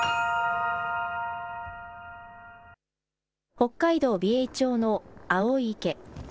北海道美瑛町の青い池。